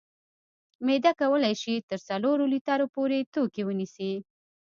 معده کولی شي تر څلورو لیترو پورې توکي ونیسي.